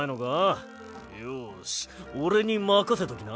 よしおれにまかせときな！